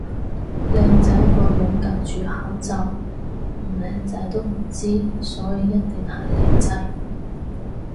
靚仔個樣隔住口罩唔靚仔都唔知，所以一定係靚仔